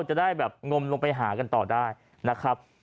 จะได้แบบงมลงไปหากันต่อได้นะครับ